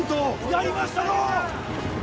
やりましたのう！